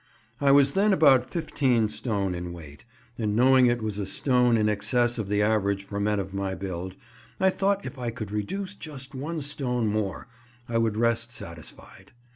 I was then about 15 stone in weight, and knowing it was a stone in excess of the average for men of my build, I thought if I could reduce just one stone more I would rest satisfied.